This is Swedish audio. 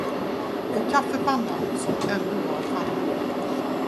Och kaffepannan, som ännu var framme.